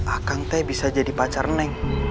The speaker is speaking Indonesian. aku bisa jadi pacarmu